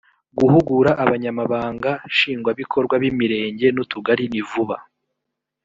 guhugura abanyamabanga ashingwabikorwa b’imirenge n ‘utugari nivuba.